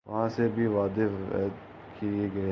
وہاں سے بھی وعدے وعید کیے گئے ہیں۔